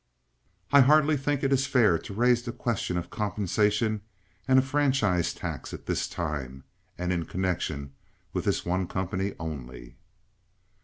I hardly think it is fair to raise the question of compensation and a franchise tax at this time, and in connection with this one company only."